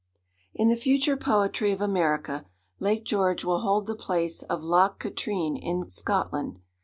In the future poetry of America, Lake George will hold the place of Loch Katrine in Scotland.